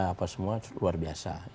apa semua luar biasa